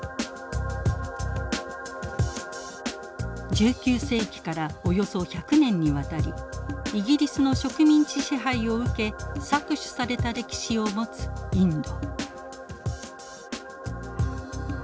１９世紀からおよそ１００年にわたりイギリスの植民地支配を受け搾取された歴史を持つインド。